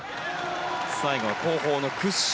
最後、後方の屈身